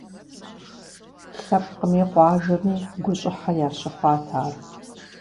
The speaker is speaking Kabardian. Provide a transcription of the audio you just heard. Лъэпкъми къуажэми гущӏыхьэ ящыхъуат ар.